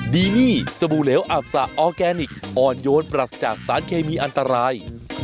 ดีนี่สบู่เหลวอับสะออร์แกนิคอ่อนโยนปรัสจากสารเคมีอันตราย